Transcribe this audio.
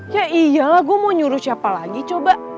ya iyalah gue mau nyuruh siapa lagi coba